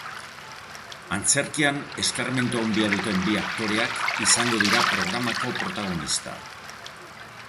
Antzerkian eskarmentu handia duten bi aktoreak izango dira programako protagonista.